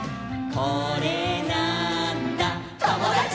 「これなーんだ『ともだち！』」